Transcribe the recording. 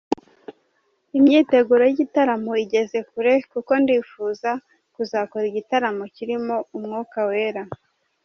Imyiteguro y’igitaramo igeze kure kuko ndifuza kuzakora igitaramo kirimo Umwuka wera”.